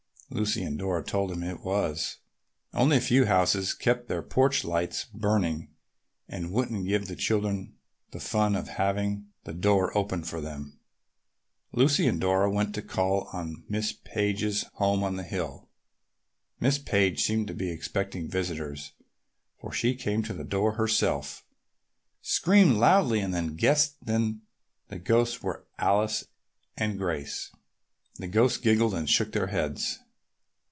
Lucy and Dora told him that it was. Only a few houses kept their porch lights burning and wouldn't give the children the fun of having the door opened for them. Lucy and Dora went to call at Miss Page's home on the hill. Miss Page seemed to be expecting visitors, for she came to the door herself, screamed loudly and then guessed that the ghosts were Alice and Grace. The ghosts giggled and shook their heads.